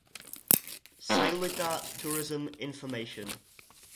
Sayulita Tourism Information.